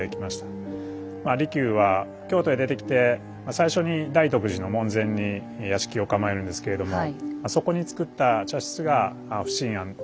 まあ利休は京都へ出てきて最初に大徳寺の門前に屋敷を構えるんですけれどもそこに造った茶室が不審菴